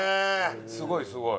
すごいすごい。